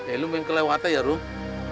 eh lu yang kelewatan ya rum